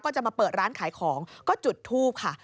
จะมาเปิดร้านขายของก็จุดทูปค่ะ